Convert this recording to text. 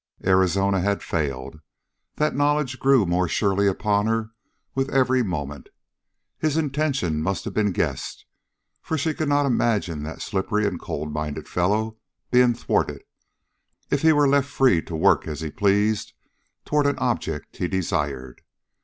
Arizona had failed! That knowledge grew more surely upon her with every moment. His intention must have been guessed, for she could not imagine that slippery and cold minded fellow being thwarted, if he were left free to work as he pleased toward an object he desired.